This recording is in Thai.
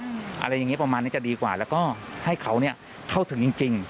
อะไรอย่างนี้ประมาณนี้จะดีกว่าแล้วก็ให้เขาเข้าถึงจริง